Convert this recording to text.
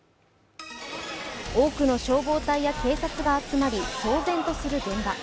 多くの消防隊や警察が集まり騒然とする現場。